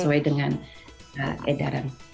sesuai dengan edaran